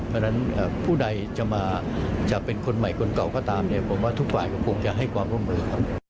เพราะฉะนั้นผู้ใดจะมาจะเป็นคนใหม่คนเก่าก็ตามเนี่ยผมว่าทุกฝ่ายก็คงจะให้ความร่วมมือครับ